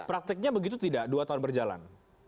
prakteknya begitu tidak dua tahun berjalan